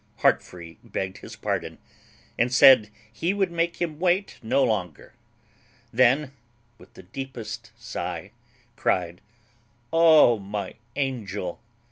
Heartfree begged his pardon, and said he would make him wait no longer. Then, with the deepest sigh, cryed, "Oh, my angel!"